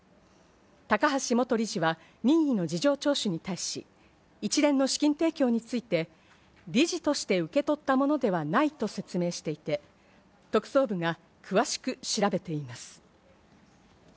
高橋元理事は任意の事情聴取に対し、一連の資金提供について、理事として受け取ったものではないと説明していて、特捜部が詳しく調べています。